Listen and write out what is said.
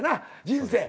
人生。